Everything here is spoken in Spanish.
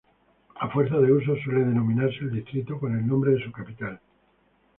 A fuerza de uso, suele denominarse al distrito con el nombre de su capital.